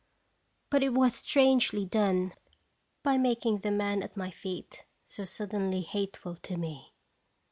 But it was strangely done, by making the man at my feet so suddenly hateful to me.